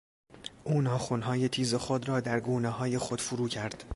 او ناخنهای تیز خود را در گونههای خود فرو کرد.